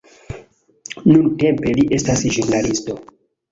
Nuntempe li estas ĵurnalisto.